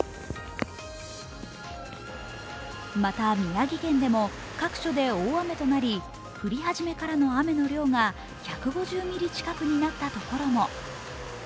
また、宮城県でも各所で大雨となり降り始めからの雨の量が１５０ミリ近くになったところも。